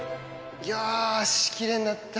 よし、きれいになった。